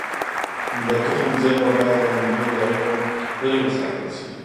د تخم زېرمه باید له لمدو ځایونو لرې وساتل شي.